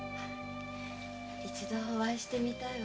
一度お会いしてみたいわ。